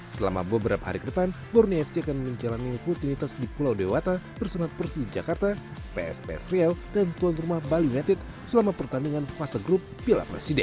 selama beberapa hari ke depan borneo fc akan menjalani rutinitas di pulau dewata bersenat persija jakarta psps riau dan tuan rumah bali united selama pertandingan fase grup piala presiden